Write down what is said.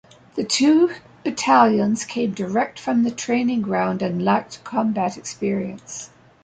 The two battalions came direct from the training ground and lacked combat experience.